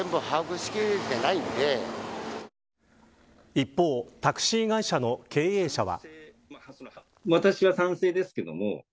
一方、タクシー会社の経営者は。